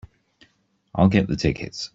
I'll get the tickets.